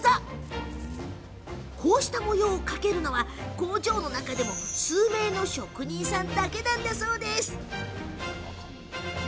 こうした模様を描けるのは工場の中でも数名の職人さんだけなんです。